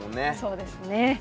そうですね。